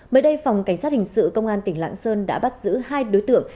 mới đây phòng cảnh sát hình sự công an tỉnh lạng sơn đã bắt giữ hai đối tượng